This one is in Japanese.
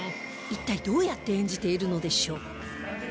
一体どうやって演じているのでしょう？